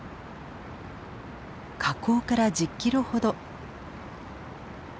河口から１０キロほど。